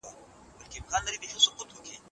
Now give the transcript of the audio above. روغتیا ته زیان رسوي.